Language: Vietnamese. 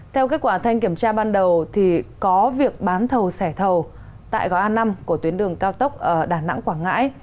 theo kết quả thanh kiểm tra ban đầu có việc bán thầu sẻ thầu tại gói a năm của tuyến đường cao tốc đà nẵng quảng ngãi